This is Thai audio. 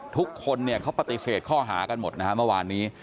ทุกคนเขาปฏิเสธข้อหากันหมดเมื่อวานนี้